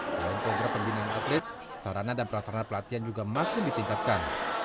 selain program pembinaan atlet sarana dan prasarana pelatihan juga makin ditingkatkan